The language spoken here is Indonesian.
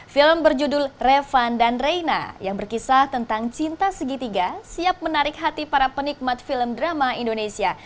film berjudul revan dan reina yang berkisah tentang cinta segitiga siap menarik hati para penikmat film drama indonesia